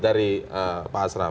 dari pak asraf